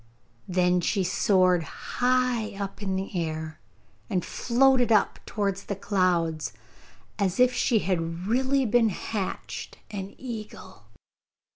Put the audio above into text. Then she soared high in the air, and floated up towards the clouds, as if she had really been hatched an eagle.